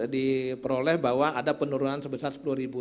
diperoleh bahwa ada penurunan sebesar sepuluh ribu